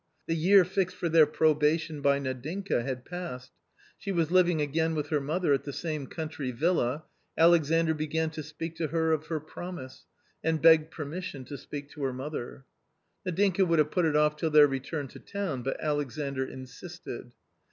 /The year fixed for their .probation by Nadinka had passed: SFe~was~~ ^TTving 'again with her mother at the same country villa, Alexandr began to speak to her of her promise, and begged permission to speak to her mother. Nadinka would have put it off till their return to town, but Alexandr insisted.